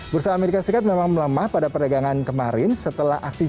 bursa amerika serikat memang melemah pada perdagangan kemarin setelah aksi jual objektif